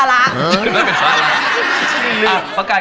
ไม่ได้ดูอะไรเลย